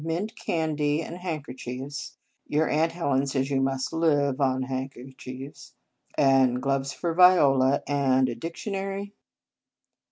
Mint candy, and handkerchiefs, your Aunt Helen says you must live on handkerchiefs, and gloves for Viola, and a diction ary?"